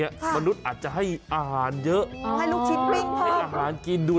แล้วถ้ามันจะหลอกอะมันจะทำไปเพื่อ